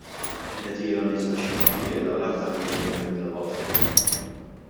Kienet ilha nieżla xita qliel għal aktar minn jumejn bla waqfien.